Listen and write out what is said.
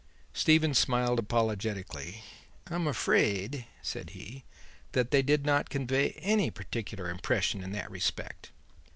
Stephen smiled apologetically. "I am afraid," said he, "that they did not convey any particular impression in that respect.